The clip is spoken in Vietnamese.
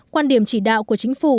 quan điểm chỉ đạo của chính phủ